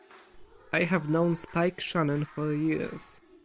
I have known Spike Shannon for years.